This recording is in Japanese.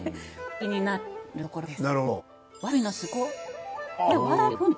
気になるところです。